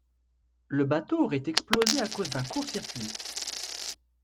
Le bateau aurait explosé à cause d'un court-circuit.